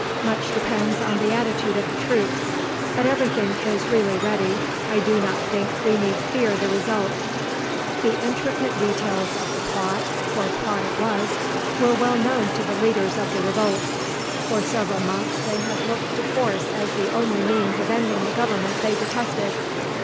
Much depends on the attitude of the troops; but everything is really ready. I do not think we need fear the result." The intricate details of the plot, for plot it was, were well known to the leaders of the revolt. For several months they had looked to force as the only means of ending the government they detested.